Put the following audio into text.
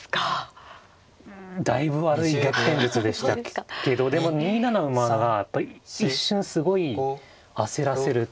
うんだいぶ悪い逆転術でしたけどでも２七馬がやっぱり一瞬すごい焦らせる手。